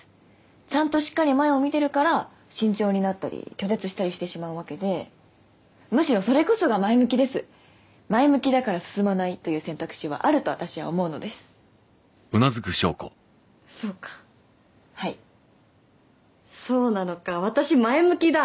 ちゃんとしっかり前を見てるから慎重になったり拒絶したりしてしまうわけでむしろそれこそが前向きです前向きだから進まないという選択肢はあると私は思うのですそうかはいそうなのか私前向きだ？